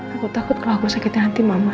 aku takut kalau aku sakitin nanti mama